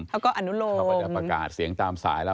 เขาก็อนุโลมเขาก็จะประกาศเสียงตามสายแล้ว